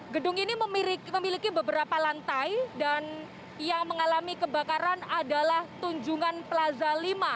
gedung ini memiliki beberapa lantai dan yang mengalami kebakaran adalah tunjungan plaza lima